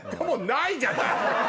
もうないじゃない！